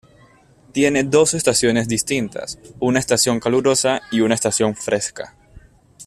Tiene dos estaciones distintas: una estación calurosa y una estación fresca.